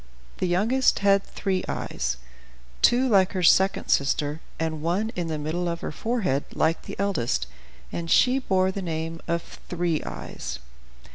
The youngest had three eyes, two like her second sister, and one in the middle of her forehead, like the eldest, and she bore the name of "Three Eyes."